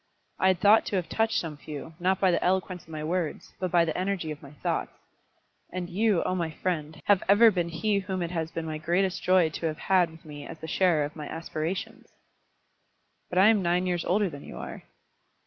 I had thought to have touched some few, not by the eloquence of my words, but by the energy of my thoughts; and you, oh my friend, have ever been he whom it has been my greatest joy to have had with me as the sharer of my aspirations." "But I am nine years older than you are."